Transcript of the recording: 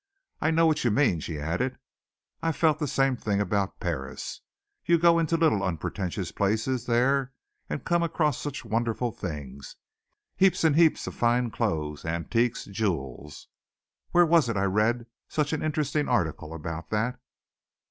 "I know what you mean," she added. "I've felt the same thing about Paris. You go into little unpretentious places there and come across such wonderful things heaps and heaps of fine clothes, antiques, jewels. Where was it I read such an interesting article about that?"